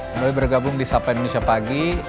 kembali bergabung di sapa indonesia pagi